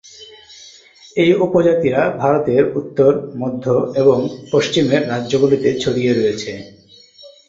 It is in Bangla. এই উপজাতিরা ভারতের উত্তর, মধ্য এবং পশ্চিমের রাজ্যগুলিতে ছড়িয়ে রয়েছে।